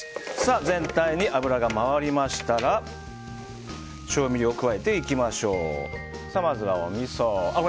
全体に油が回りましたら調味料を加えていきましょう。